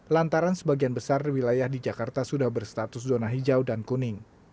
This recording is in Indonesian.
lantaran sebagian besar wilayah di jakarta sudah berstatus zona hijau dan kuning